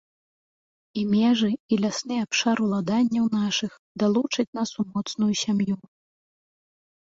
І межы, і лясны абшар уладанняў нашых далучаць нас у моцную сям'ю.